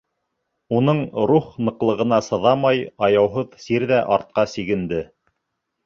Уның рух ныҡлығына сыҙамай, аяуһыҙ сир ҙә артҡа сигенде.